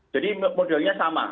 jadi modelnya sama